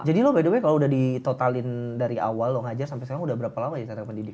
jadi lo btw kalo udah di totalin dari awal lo ngajar sampe sekarang udah berapa lama lagi ternyata pendidik